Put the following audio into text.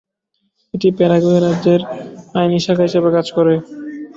এটি প্যারাগুয়ে রাজ্যের আইনী শাখা হিসেবে কাজ করে।